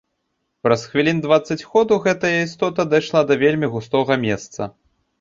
Праз хвілін дваццаць ходу гэтая істота дайшла да вельмі густога месца.